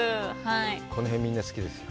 この辺、みんな、好きですよ。